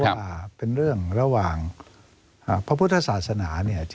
ว่าเป็นเรื่องระหว่างพระพุทธศาสนาเนี่ย